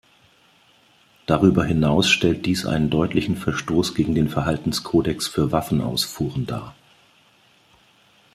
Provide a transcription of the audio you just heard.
Darüber hinaus stellt dies einen deutlichen Verstoß gegen den Verhaltenskodex für Waffenausfuhren dar.